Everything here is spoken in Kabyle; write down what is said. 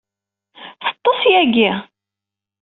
Teḍḍes yagi.